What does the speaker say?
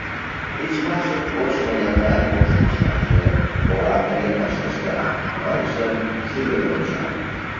Тичмашын почмо яндар кок шинчаже, «Молан тыге ыштышда» маншын, шӱлыкын онча.